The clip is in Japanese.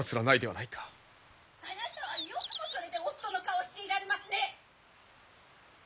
・あなたはよくもそれで夫の顔をしていられますね！